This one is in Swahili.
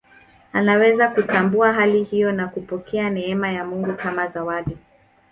Anaweza kutambua hali hiyo na kupokea neema ya Mungu kama zawadi.